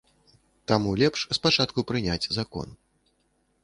Таму лепш спачатку прыняць закон.